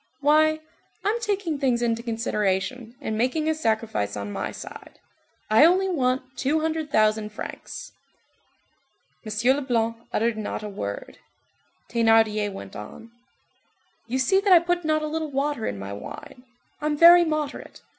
Why, I'm taking things into consideration and making a sacrifice on my side. I only want two hundred thousand francs." M. Leblanc uttered not a word. Thénardier went on:— "You see that I put not a little water in my wine; I'm very moderate.